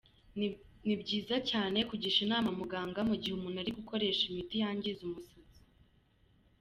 Ni byiza kugisha inama muganga mu gihe umuntu ari gukoresha imiti yangiza umusatsi.